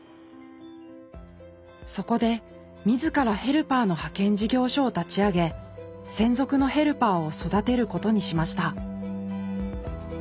そこで自らヘルパーの派遣事業所を立ち上げ専属のヘルパーを育てることにしました。